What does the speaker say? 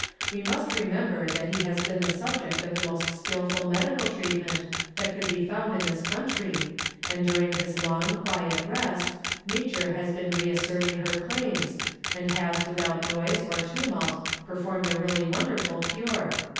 We must remember that he has been the subject of the most skilful medical treatment that could be found in this country, and during his long quiet rest, nature has been reasserting her claims, and has without noise or tumult performed a really wonderful cure.